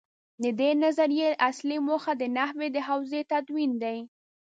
د دې نظریې اصلي موخه د نحوې د حوزې تدوین دی.